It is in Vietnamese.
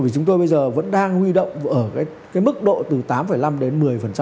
vì chúng tôi bây giờ vẫn đang huy động ở cái mức độ từ tám năm đến một mươi